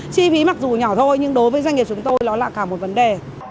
chi phí mặc dù nhỏ thôi nhưng đối với doanh nghiệp chúng tôi đó là cả một vấn đề